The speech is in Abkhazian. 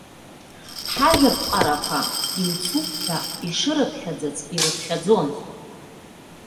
Ҳажәаԥҟарақәа имцуп ҳәа ишырыԥхьаӡац ирыԥхьаӡон.